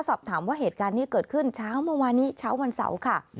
สอบถามว่าเหตุการณ์นี้เกิดขึ้นเช้าเมื่อวานนี้เช้าวันเสาร์ค่ะ